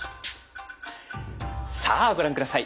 さあご覧下さい。